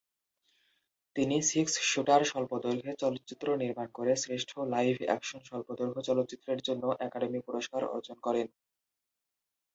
তিনি "six shooter" স্বল্পদৈর্ঘ্য চলচ্চিত্র নির্মাণ করে শ্রেষ্ঠ লাইভ অ্যাকশন স্বল্পদৈর্ঘ্য চলচ্চিত্রের জন্য একাডেমি পুরস্কার অর্জন করেন।